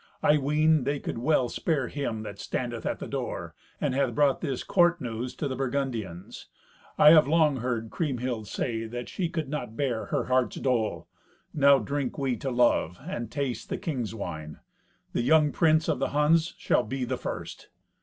I ween they could well spare him that standeth at the door, and hath brought this court news to the Burgundians. I have long heard Kriemhild say that she could not bear her heart's dole. Now drink we to Love, and taste the king's wine. The young prince of the Huns shall be the first."